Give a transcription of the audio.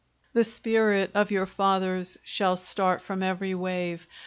The spirit of your fathers Shall start from every wave!